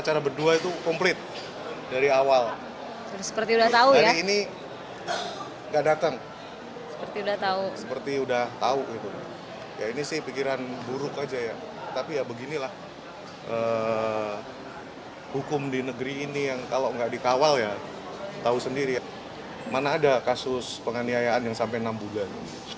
tahu sendiri mana ada kasus penganiayaan yang sampai enam bulan